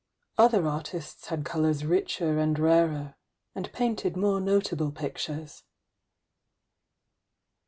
Other artists had colours richer and rarer, and painted more notable pictures.